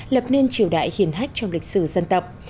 lập nên triều đại hiền hách trong lịch sử dân tộc